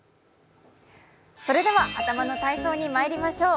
それでは頭の体操にまいりましょう。